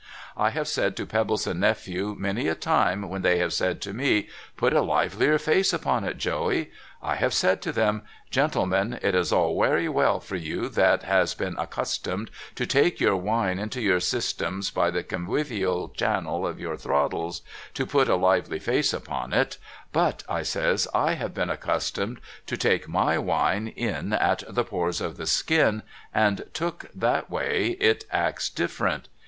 I have said to Pebbleson Nephew many a time, when they have said to me, " Put a livelier face upon it, Joey "— I have said to them, " Gentlemen, it is all wery well for you that has been accustomed to take your wine into your systems by the conwivial channel of your throttles, to put a lively face upon it ; but," I says, " I have been accustomed to take my wine in at the pores of the skin, and, took that way, it acts different.